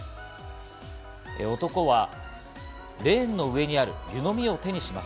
男はレーンの上にある湯のみを手にします。